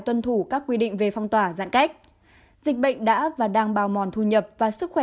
tuân thủ các quy định về phong tỏa giãn cách dịch bệnh đã và đang bào mòn thu nhập và sức khỏe